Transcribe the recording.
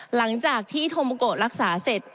หลังจากที่โทโมโกรักษาเสร็จ